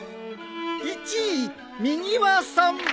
１位みぎわさん。